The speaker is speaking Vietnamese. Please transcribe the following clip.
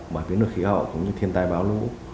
bởi biến đổi khí hậu cũng như thiên tai bão lũ